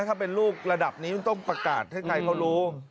ถ้าเป็นลูกระดับนี้มันต้องประกาศให้ใครเขารู้